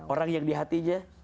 orang yang di hatinya